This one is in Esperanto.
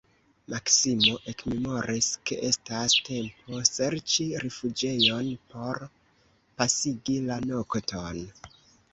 Maksimo ekmemoris, ke estas tempo serĉi rifuĝejon por pasigi la nokton.